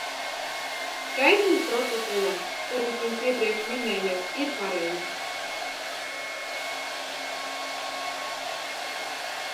Skaitļi protokolam, kurus jūs iepriekš minējāt, ir pareizi.